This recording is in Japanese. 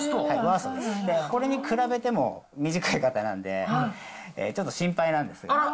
これに比べても短いかたなんで、ちょっと心配なんです。